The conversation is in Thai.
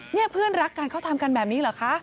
นี่เพื่อนรักกันเขาทำกันแบบนี้เหรอคะ